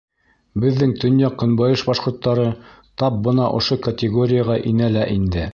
Беҙҙең төньяҡ-көнбайыш башҡорттары тап бына ошо категорияға инә лә инде.